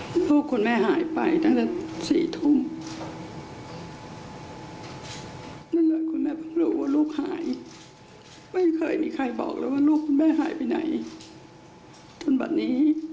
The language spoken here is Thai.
ขอโทษนะครับคุณแม่ร้องไห้